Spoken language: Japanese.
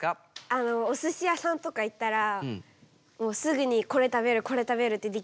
あのおすしやさんとか行ったらもうすぐにこれ食べるこれ食べるってできる人なんで。